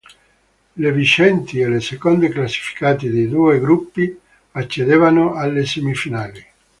Le vincenti e le seconde classificate dei due gruppi accedevano alle semifinali.